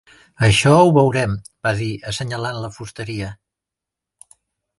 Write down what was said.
"Això ho veurem", va dir, assenyalant la fusteria.